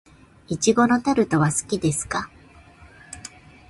苺のタルトは好きですか。